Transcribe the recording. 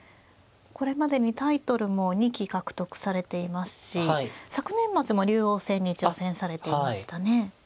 これまでにタイトルも２期獲得されていますし昨年末も竜王戦に挑戦されていましたね。